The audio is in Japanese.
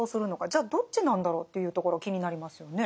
じゃあどっちなんだろうというところ気になりますよね。